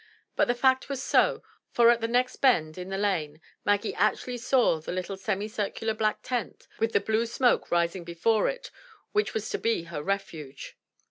But the fact was so, for at the next bend in the lane Maggie actually saw the little semi circular black tent with the blue smoke rising before it, which was to be her refuge.